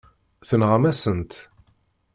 Tenɣam-asen-tt.